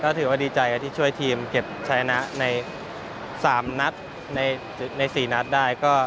ถือว่าดีใจที่ช่วยทีมเก็บใช้นะใน๓นัดใน๔นัดได้